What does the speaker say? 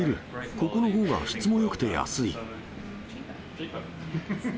ここのほうが質もよくて安い。